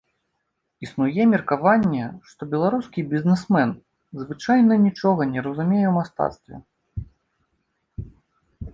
Існуе меркаванне, што беларускі бізнесмен звычайна нічога не разумее ў мастацтве.